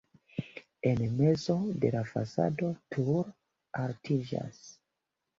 En mezo de la fasado turo altiĝas.